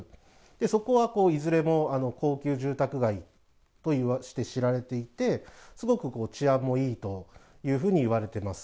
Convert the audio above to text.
そこはいずれも高級住宅街として知られていて、すごく治安もいいというふうにいわれてます。